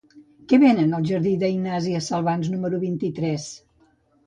Què venen al jardí d'Ignàsia Salvans número vint-i-tres?